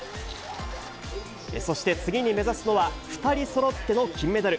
そして次に目指すのは、２人そろっての金メダル。